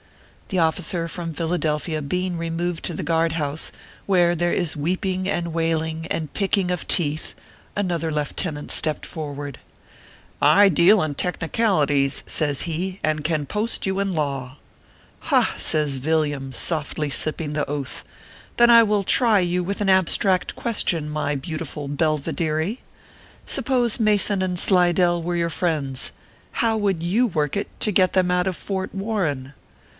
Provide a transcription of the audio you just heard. The officer from Philadelphia being removed to the guard house, where there is weeping and wailing, and picking of teeth, another leftenant stepped for ward :" I deal in technicalities," says he, " and can post you in law." "Ha!" says Villiam, softly sipping the Oath, " then I will try you with an abstract question, my beautiful Belvideary. Supposing Mason and Slidell were your friends, how would you work it to get them out of Fort Warren ?"